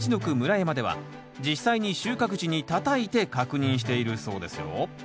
山では実際に収穫時にたたいて確認しているそうですよ。